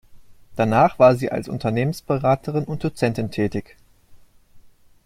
Danach war sie als Unternehmensberaterin und Dozentin tätig.